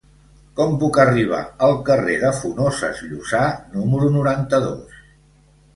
Com puc arribar al carrer de Funoses Llussà número noranta-dos?